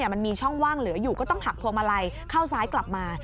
มันมีช่องว่างเหลืออยู่ก็ต้องหักพวงมาลัยเข้าซ้ายกลับมา